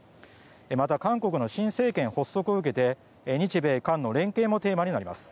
また、韓国の新政権発足を受けて日米韓の連携もテーマになります。